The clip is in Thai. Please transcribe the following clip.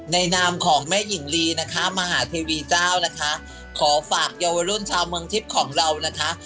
นามของแม่หญิงลีนะคะมหาเทวีเจ้านะคะขอฝากเยาวชนชาวเมืองทิพย์ของเรานะคะ